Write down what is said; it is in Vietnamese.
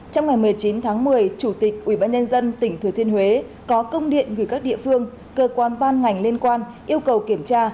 trong ngày một mươi chín tháng một mươi chủ tịch ubnd tỉnh thừa thiên huế có công điện gửi các địa phương cơ quan ban ngành liên quan yêu cầu kiểm tra